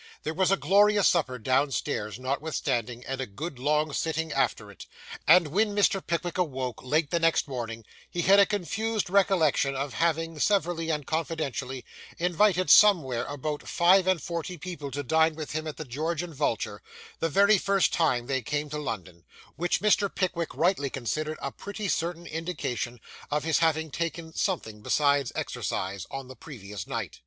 There was a glorious supper downstairs, notwithstanding, and a good long sitting after it; and when Mr. Pickwick awoke, late the next morning, he had a confused recollection of having, severally and confidentially, invited somewhere about five and forty people to dine with him at the George and Vulture, the very first time they came to London; which Mr. Pickwick rightly considered a pretty certain indication of his having taken something besides exercise, on the previous night.